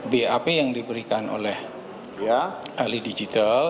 bap yang diberikan oleh ahli digital